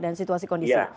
dan situasi kondisi